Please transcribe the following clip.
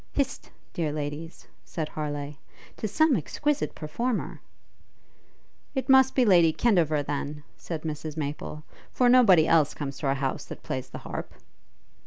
'Hist! dear ladies,' said Harleigh; ''tis some exquisite performer.' 'It must be Lady Kendover, then,' said Mrs Maple, 'for nobody else comes to our house that plays the harp.'